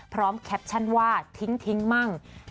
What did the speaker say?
แคปชั่นว่าทิ้งมั่ง